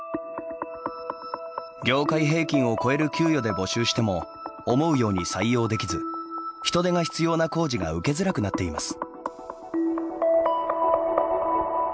業界平均を超える給与で募集しても思うように採用できず人手が必要な工事が受けづらくなっています。